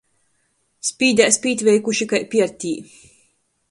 Spīdēs pītveikuši kai piertī.